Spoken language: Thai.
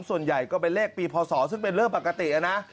ส่วนใหญ่ก็เป็นเลขปีพศซึ่งเป็นเรื่องปกตินะ